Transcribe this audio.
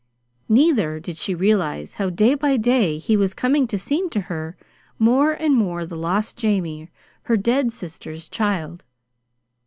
Neither did she realize how day by day he was coming to seem to her more and more the lost Jamie, her dead sister's child.